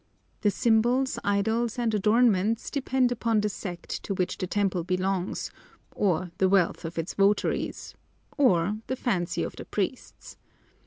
The symbols, idols, and adornments depend upon the sect to which the temple belongs, or the wealth of its votaries, or the fancy of the priests.